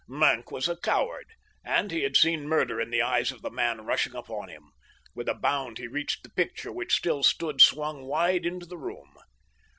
Maenck was a coward, and he had seen murder in the eyes of the man rushing upon him. With a bound he reached the picture which still stood swung wide into the room.